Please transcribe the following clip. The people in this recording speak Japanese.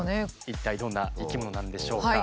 一体どんな生き物なんでしょうか。